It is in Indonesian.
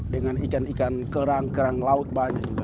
dengan ikan ikan kerang kerang laut banyak juga